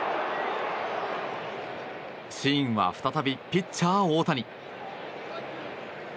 シーンは再びピッチャー大谷。